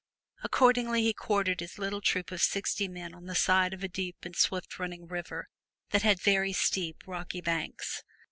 Accordingly he quartered his little troop of sixty men on the side of a deep and swift running river that had very steep rocky banks.